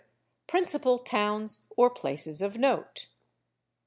Principal towns or places of note.